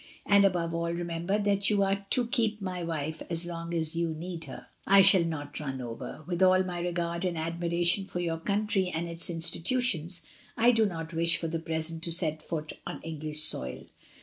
And above all remember that you are io keep my wife as long as you need her, I shall not run over. With all my regard and admiration for your country and its institutions I do not wish for the present to set foot on English soil.